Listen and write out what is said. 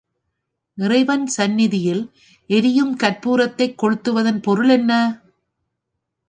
இறைவன் சந்நிதியில் எரியும் கற்பூரத்தைக் கொளுத்துவதன் பொருள் என்ன?